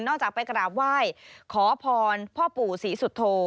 จากไปกราบไหว้ขอพรพ่อปู่ศรีสุโธ